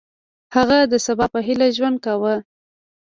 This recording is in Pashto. هغه د سبا په هیله ژوند کاوه.